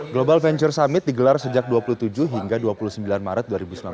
global venture summit digelar sejak dua puluh tujuh hingga dua puluh sembilan maret dua ribu sembilan belas